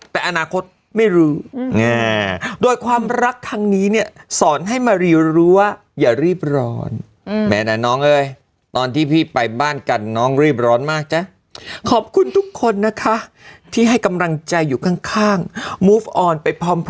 เป็นเขาคือเป็นไม่ได้หรอคุณแม่ไม่พร้อมแต่อนาคตไม่รู้อืม